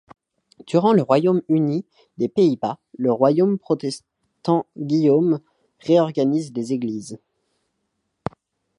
Durant le Royaume-Uni des Pays-Bas, le roi protestant Guillaume réorganise les Églises.